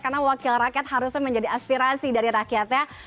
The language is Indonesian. karena wakil rakyat harusnya menjadi aspirasi dari rakyatnya